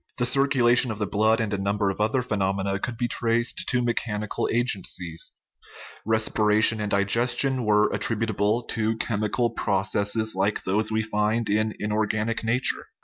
The circulation of the blood 43 THE RIDDLE OF THE UNIVERSE and a number of other phenomena could be traced to mechanical agencies ; respiration and digestion were attributable to chemical processes like those we find in inorganic nature.